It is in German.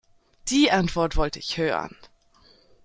Die Antwort wollte ich hören.